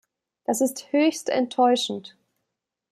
Das ist höchst enttäuschend.